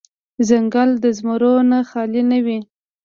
ـ ځنګل د زمرو نه خالې نه وي.